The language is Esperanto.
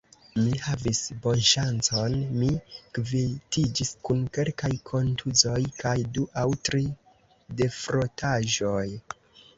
Mi havis bonŝancon, mi kvitiĝis kun kelkaj kontuzoj kaj du aŭ tri defrotaĵoj.